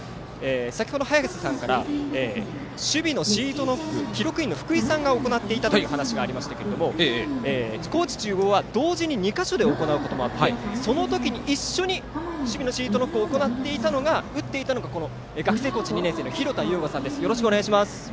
先ほど、早瀬さんから守備のシートノック記録員の福井さんが行っていたという話がありましたが高知中央は同時に２か所で行うこともあってその時に一緒に守備のシートノックを行っていた打っていたのが学生コーチ２年生のひろたゆうごさんです。